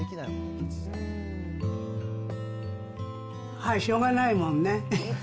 はい、しょうがないもんね。